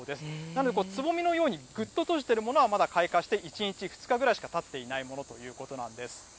なんでつぼみのようにぐっと閉じているものは、まだ開花して１日、２日ぐらいしかたっていないものということなんです。